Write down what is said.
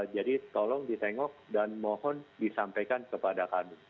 jadi tolong ditengok dan mohon disampaikan kepada kami